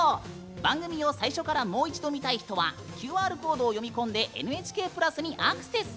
番組を最初からもう一度見たい人はＱＲコードを読み込んでＮＨＫプラスにアクセス！